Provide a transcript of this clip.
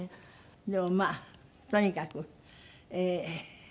でもまあとにかくええ。